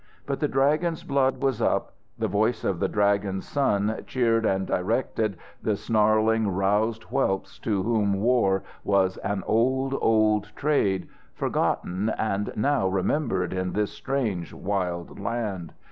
But the Dragon's blood was up, the voice of the Dragon's son cheered and directed the snarling, roused whelps to whom war was an old, old trade, forgotten, and now remembered in this strange, wild land.